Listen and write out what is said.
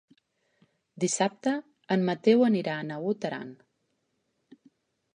Dissabte en Mateu anirà a Naut Aran.